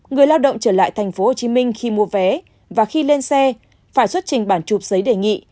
người lao động trở lại tp hcm khi mua vé và khi lên xe phải xuất trình bản chụp giấy đề nghị